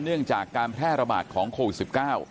เนื่องจากการแพร่ระบาดของโควิด๑๙